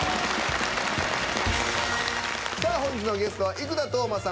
本日のゲストは生田斗真さん